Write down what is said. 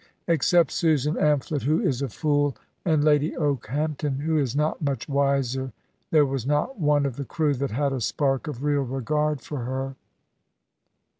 Except Susan Amphlett, who is a fool, and Lady Okehampton, who is not much wiser, there was not one of the crew that had a spark of real regard for her."